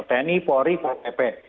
tni polri ppp